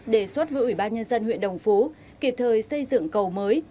đề xuất với ủy ban nhân dân huyện đồng phú kịp thời xây dựng cầu mới